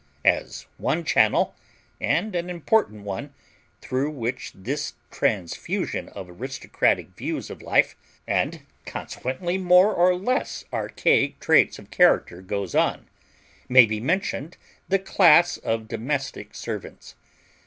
As one channel, and an important one, through which this transfusion of aristocratic views of life, and consequently more or less archaic traits of character goes on, may be mentioned the class of domestic servants.